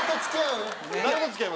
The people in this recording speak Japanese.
誰と付き合う？